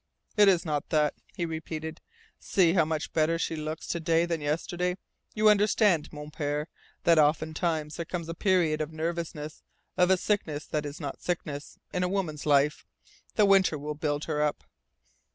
"It is not that," he repeated. "See how much better she looks to day than yesterday! You understand, Mon Pere, that oftentimes there comes a period of nervousness of a sickness that is not sickness in a woman's life. The winter will build her up."